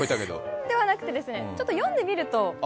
そうではなくて、読んでみると。